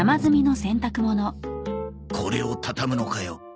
これをたたむのかよ。